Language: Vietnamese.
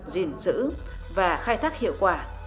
giữ và khai thác hiệu quả